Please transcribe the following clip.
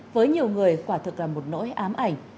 với nhiều người quả thực là một nỗi ám ảnh